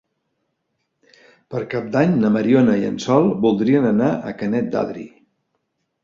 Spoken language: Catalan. Per Cap d'Any na Mariona i en Sol voldrien anar a Canet d'Adri.